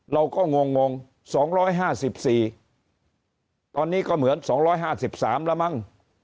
งง๒๕๔ตอนนี้ก็เหมือน๒๕๓แล้วมั้ง